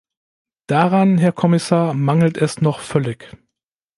Daran, Herr Kommissar, mangelt es noch völlig.